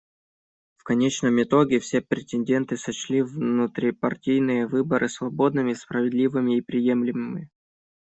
В конечном итоге все претенденты сочли внутрипартийные выборы свободными, справедливыми и приемлемыми.